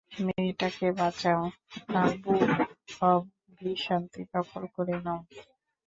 মেয়েটাকে বাঁচাও, আর বুক অব ভিশান্তি দখল করে নাও।